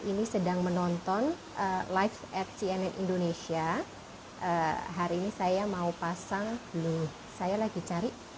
ini sedang menonton live at cnn indonesia hari ini saya mau pasang blue saya lagi cari